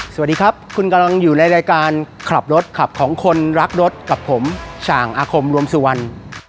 สวัสดีครับคุณกำลังอยู่ในรายการขับรถขับของคนรักรถกับผมฉ่างอาคมรวมสุวรรณ